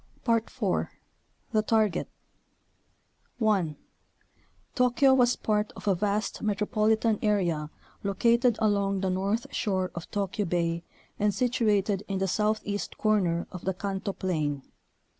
IV. The Target 1. Tokyo was part of a vast metropolitan area located along the north shore of Tokyo Bay and situated in the southeast corner of the Kanto plain.